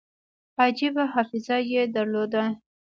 عجیبه حافظه یې درلوده.